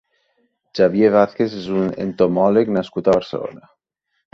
Xavier Vázquez és un entomòleg nascut a Barcelona.